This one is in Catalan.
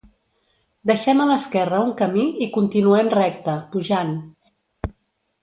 Deixem a l'esquerra un camí i continuem recte, pujant.